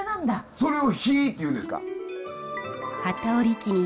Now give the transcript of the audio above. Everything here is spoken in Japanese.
それを杼っていうんですか。